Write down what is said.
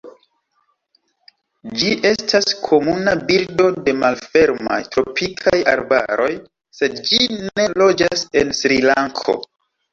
Ĝi estas komuna birdo de malfermaj tropikaj arbaroj, sed ĝi ne loĝas en Srilanko.